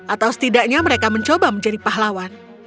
atau setidaknya mereka mencoba menjadi pahlawan